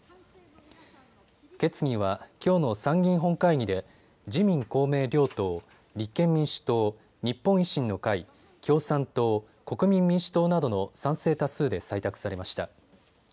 決議はきょうの参議院本会議で自民公明両党、立憲民主党、日本維新の会、共産党、国民民主党などの賛成多数で採択されました。